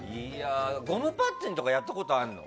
ゴムパッチンとかやったことあるの？